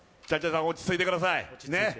茶々さん、落ち着いてください。